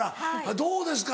どうですか？